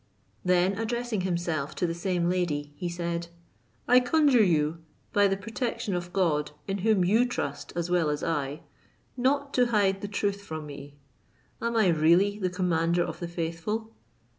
Then addressing himself to the same lady, he said, "I conjure you, by the protection of God, in whom you trust as well as I, not to hide the truth from me; am I really the commander of the faithful?"